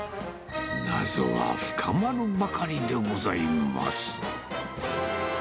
謎は深まるばかりでございます。